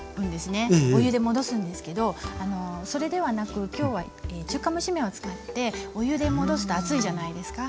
お湯で戻すんですけどそれではなく今日は中華蒸し麺を使ってお湯で戻すと暑いじゃないですか。